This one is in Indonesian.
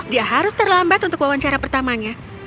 dia harus terlambat untuk wawancara pertamanya